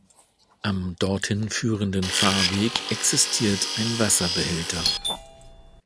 Am dorthin führenden Fahrweg existiert ein Wasserbehälter.